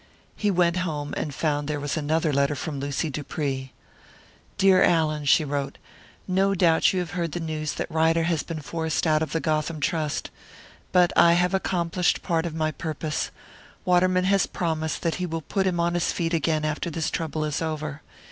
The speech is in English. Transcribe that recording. He went home and found there another letter from Lucy Dupree. "Dear Allan," she wrote. "No doubt you have heard the news that Ryder has been forced out of the Gotham Trust. But I have accomplished part of my purpose Waterman has promised that he will put him on his feet again after this trouble is over.